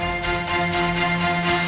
asah third moulterman